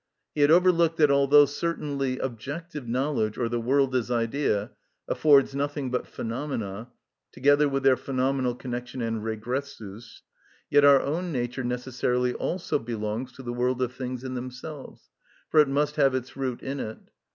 He had overlooked that although certainly objective knowledge, or the world as idea, affords nothing but phenomena, together with their phenomenal connection and regressus, yet our own nature necessarily also belongs to the world of things in themselves, for it must have its root in it.